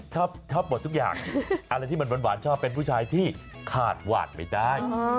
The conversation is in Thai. ชอบหมดทุกอย่างอะไรที่มันหวานชอบเป็นผู้ชายที่ขาดหวาดไม่ได้